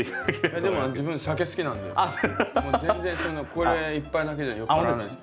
でも自分酒好きなんでもう全然これ１杯だけじゃ酔っぱらわないです。